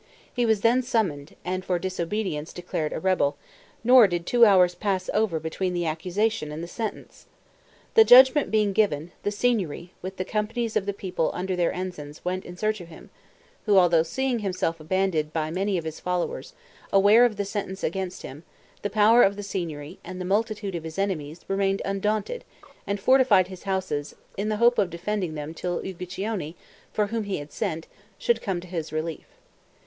He was then summoned, and for disobedience, declared a rebel; nor did two hours pass over between the accusation and the sentence. The judgment being given, the Signory, with the companies of the people under their ensigns, went in search of him, who, although seeing himself abandoned by many of his followers, aware of the sentence against him, the power of the Signory, and the multitude of his enemies, remained undaunted, and fortified his houses, in the hope of defending them till Uguccione, for whom he had sent, should come to his Relief.